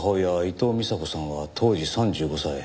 伊藤美紗子さんは当時３５歳。